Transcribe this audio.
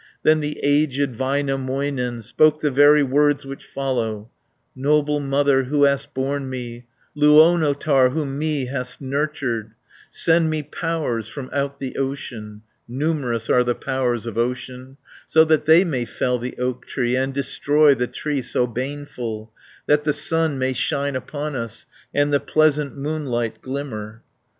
100 Then the aged Väinämöinen, Spoke the very words which follow; "Noble mother, who hast borne me, Luonnotar, who me hast nurtured; Send me powers from out the ocean: (Numerous are the powers of ocean) So that they may fell the oak tree, And destroy the tree so baneful, That the sun may shine upon us. And the pleasant moonlight glimmer."